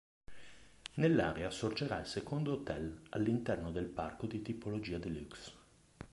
Nell'area sorgerà il secondo hotel all'interno del parco di tipologia deluxe.